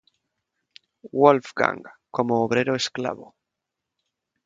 Wolfgang, como obrero esclavo.